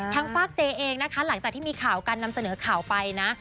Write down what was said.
ฝากเจเองนะคะหลังจากที่มีข่าวการนำเสนอข่าวไปนะ